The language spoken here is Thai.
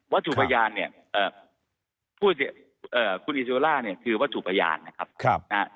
วัตถุประยานเนี่ยคุณอิซิลล่าเนี่ยคือวัตถุประยานนะครับ